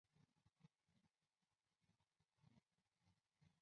环线细烟管蜗牛为烟管蜗牛科环线细烟管蜗牛属下的一个种。